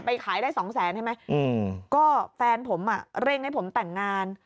ขายได้สองแสนใช่ไหมอืมก็แฟนผมอ่ะเร่งให้ผมแต่งงาน